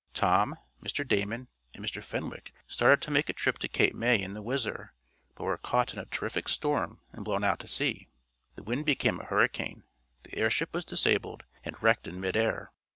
Tom, Mr. Damon and Mr. Fenwick started to make a trip to Cape May in the Whizzer, but were caught in a terrific storm, and blown out to sea. The wind became a hurricane, the airship was disabled, and wrecked in mid air.